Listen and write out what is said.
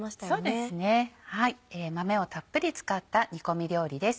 そうですね豆をたっぷり使った煮込み料理です。